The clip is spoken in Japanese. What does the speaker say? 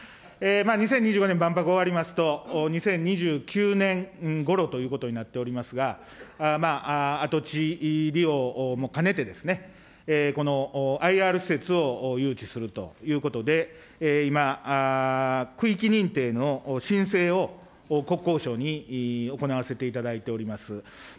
２０２５年万博終わりますと、２０２９年ごろということになっておりますが、跡地利用も兼ねてですね、このＩＲ施設を誘致するということで、今、区域認定の申請を国交省に行わせていただいております。